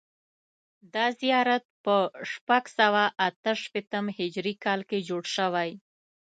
دا زیارت په شپږ سوه اته شپېتم هجري کال کې جوړ شوی.